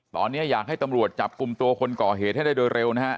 ตอนนี้อยากให้ตำรวจจับกลุ่มตัวคนก่อเหตุให้ได้โดยเร็วนะฮะ